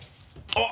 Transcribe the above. あっ！